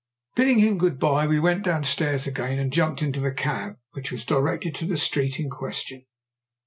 Bidding him good bye, we went downstairs again, and jumped into the cab, which was directed to the street in question.